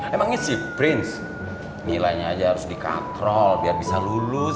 emangnya sih prins nilainya aja harus dikatrol biar bisa lulus